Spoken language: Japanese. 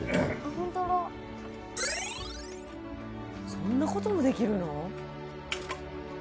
そんな事もできるの？